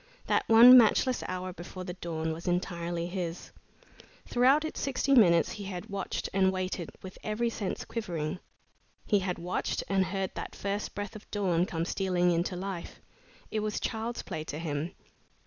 That one matchless hour before the dawn was entirely his. Throughout its sixty minutes he had watched and waited with every sense quivering. He had watched and heard that first breath of dawn come stealing into life. It was child's play to him.